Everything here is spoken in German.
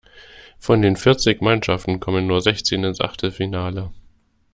Von den vierzig Mannschaften kommen nur sechzehn ins Achtelfinale.